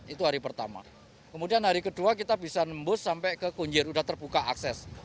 itu hari pertama kemudian hari kedua kita bisa nembus sampai ke kunjir sudah terbuka akses